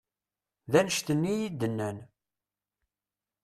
D annect-nni i yi-d-nnan.